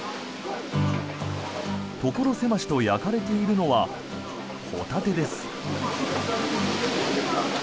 所狭しと焼かれているのはホタテです。